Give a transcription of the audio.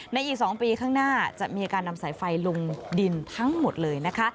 อีก๒ปีข้างหน้าจะมีการนำสายไฟลงดินทั้งหมดเลยนะคะ